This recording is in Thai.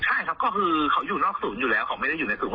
ใช่ครับก็คือเขาอยู่นอกศูนย์อยู่แล้วเขาไม่ได้อยู่ในศูนย์